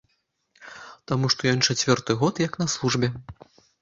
Таму што ён чацвёрты год як на службе.